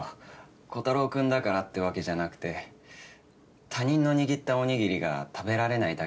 コタローくんだからってわけじゃなくて他人の握ったおにぎりが食べられないだけなんです僕。